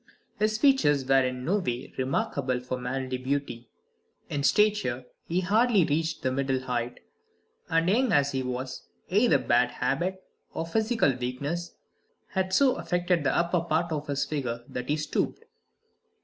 His features were in no way remarkable for manly beauty. In stature, he hardly reached the middle height; and young as he was, either bad habit or physical weakness had so affected the upper part of his figure that he stooped.